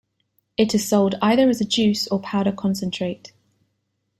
It is sold either as a juice or powder concentrate.